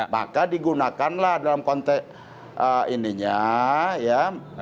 maka digunakanlah dalam konteks ininya ya